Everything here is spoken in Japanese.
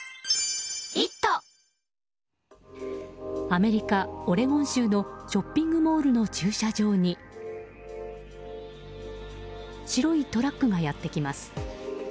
アメリカ・オレゴン州のショッピングモールの駐車場に白いトラックがやってきます。